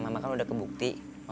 maksudnya auf demais pafah